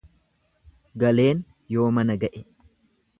Galeen yoo mana ga'e.